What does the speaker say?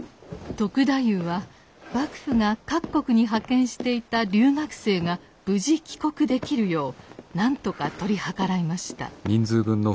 篤太夫は幕府が各国に派遣していた留学生が無事帰国できるようなんとか取り計らいました。